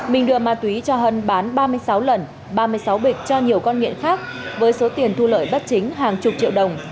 minh đưa ma túy cho hân bán ba mươi sáu lần ba mươi sáu bịch cho nhiều con nghiện khác với số tiền thu lợi bất chính hàng chục triệu đồng